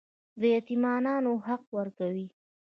د یتیمانو حق ورکوئ؟